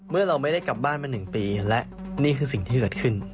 เราไม่ได้กลับบ้านมา๑ปีและนี่คือสิ่งที่เกิดขึ้น